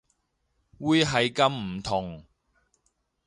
會係咁唔同